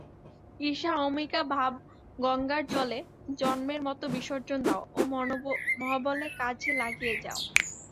ঈর্ষা অহমিকাভাব গঙ্গার জলে জন্মের মত বিসর্জন দাও ও মহাবলে কাজে লাগিয়া যাও।